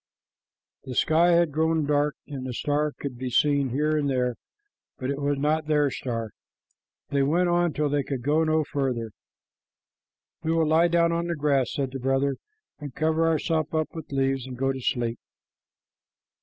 The sky had grown dark, and a star could be seen here and there, but it was not their star. They went on till they could go no farther. "We will lie down on the grass," said the brother, "and cover ourselves up with leaves, and go to sleep."